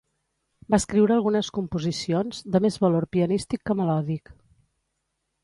Va escriure algunes composicions, de més valor pianístic que melòdic.